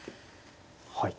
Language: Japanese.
はい。